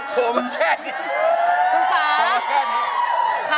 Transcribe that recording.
คุณฟ้า